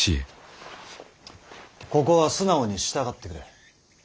ここは素直に従ってくれ。